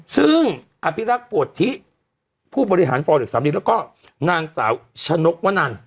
ซึ่งอภิรักษ์ปวดทิผู้บริหารฟอร์เด็กสามีแล้วก็นางสาวชะนกวนัน